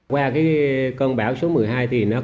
qua cái cơn bão số một mươi hai thì nó